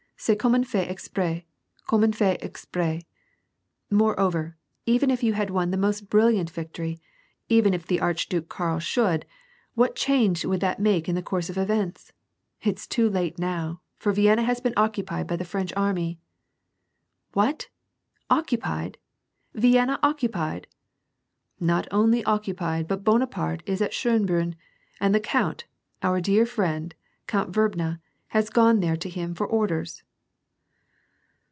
C'est comnie unfait exprtSy comme un fait expres. Moreover, even if you liad won the most brilliant victory, even if the Archduke Karl should, what change would that make in the course of events ? It's too late now, for Vienna has been occupied by the French army." *^ What ! occupied, Vienna occupied !"Not only occupied, but Bonaparte is at Schonbriinn, and the count, pur dear friend, Count Vrbna, has gone there to him for orders."